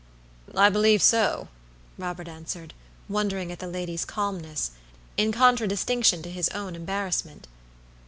"I believe so," Robert answered, wondering at the lady's calmness, in contradistinction to his own embarrassment.